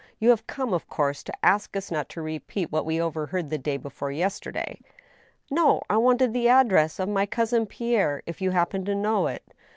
You have come, of course, to ask us not to re peat what we overheard the day before yesterday." " No. I wanted the address of my cousin Pierre, if you happen to know it."